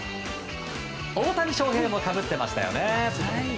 大谷翔平もかぶっていましたよね。